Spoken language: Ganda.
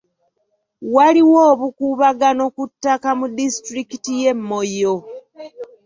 Waliwo obukuubagano ku ttaka mu disitulikiti y'e Moyo.